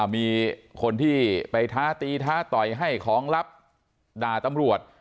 มีคนที่ไปท้าตีท้าต่อยให้ของลับด่าตำรวจ